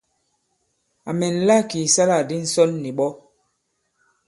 À mɛ̀nla kì ìsalâkdi ǹsɔn nì ɓɔ.